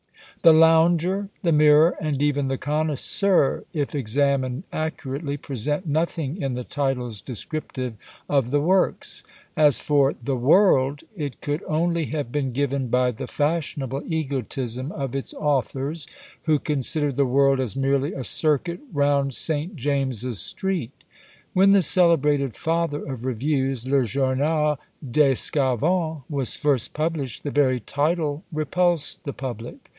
The "Lounger," the "Mirror," and even the "Connoisseur," if examined accurately, present nothing in the titles descriptive of the works. As for the "World," it could only have been given by the fashionable egotism of its authors, who considered the world as merely a circuit round St. James's Street. When the celebrated father of reviews, Le Journal des Sçavans, was first published, the very title repulsed the public.